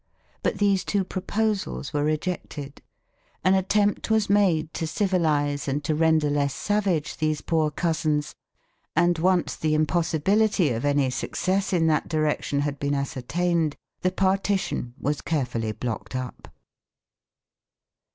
But these two proposals were rejected. An attempt was made to civilize and to render less savage these poor cousins, and once the impossibility of any success in that direction had been ascertained the partition was carefully blocked up.